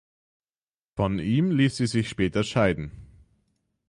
Von ihm ließ sie sich später scheiden.